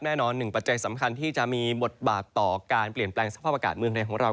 หนึ่งปัจจัยสำคัญที่จะมีบทบาทต่อการเปลี่ยนแปลงสภาพอากาศเมืองไทยของเรา